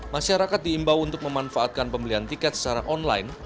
masyarakat diimbau untuk memanfaatkan pembelian tiket secara online